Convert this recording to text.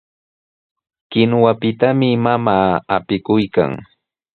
Kinuwapitami mamaa apikuykan.